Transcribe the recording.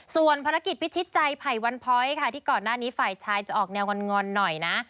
ส่วนภารกิจพิชิตใจไผ่วันพ้อยค่ะที่ก่อนหน้านี้ฝ่ายชายจะออกแนวงอนหน่อยนะ